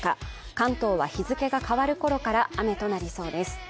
関東は日付が変わるころから雨となりそうです